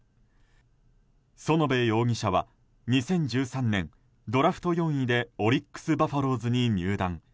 園部容疑者は２０１３年ドラフト４位でオリックス・バファローズに入団。